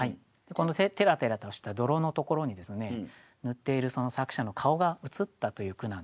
このてらてらとした泥のところにですね塗っている作者の顔が映ったという句なんですよね。